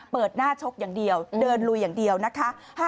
เปิดหน้าชกอย่างเดียวเดินลุยอย่างเดียวนะคะ